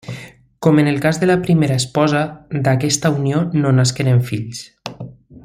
Com en el cas de la primera esposa, d'aquesta unió no nasqueren fills.